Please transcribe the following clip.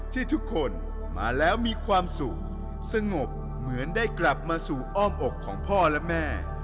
ที่ทุกคนมาแล้วมีความสุขสงบเหมือนได้กลับมาสู่อ้อมอกของพ่อและแม่